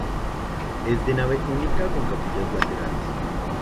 Es de nave única con capillas laterales.